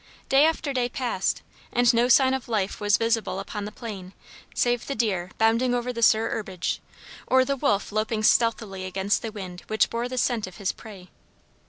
Day after day passed, and no sign of life was visible upon the plain save the deer bounding over the sere herbage, or the wolf loping stealthily against the wind which bore the scent of his prey.